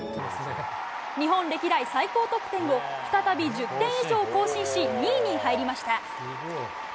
日本歴代最高得点を再び１０点以上更新し２位に入りました。